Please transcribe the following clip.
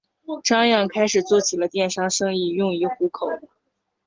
张漾开始做起了电商生意用以糊口。